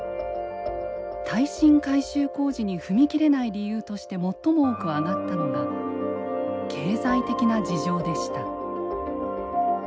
耐震改修工事に踏み切れない理由として最も多く挙がったのが経済的な事情でした。